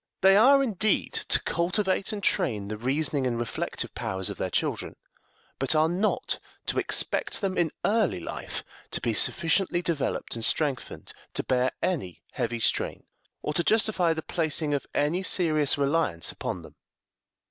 They are, indeed, to cultivate and train the reasoning and reflective powers of their children, but are not to expect them in early life to be sufficiently developed and strengthened to bear any heavy strain, or to justify the placing of any serious reliance upon them.